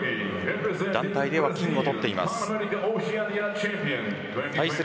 団体では金を取っています。